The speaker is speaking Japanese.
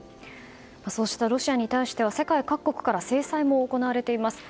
そうしたロシアに対しては世界各国から制裁も行われています。